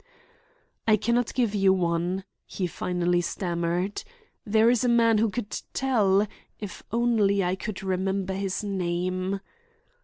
"I can not give you one," he finally stammered. "There is a man who could tell—if only I could remember his name."